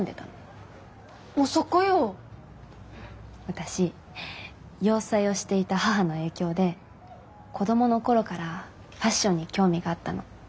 私洋裁をしていた母の影響で子供の頃からファッションに興味があったの。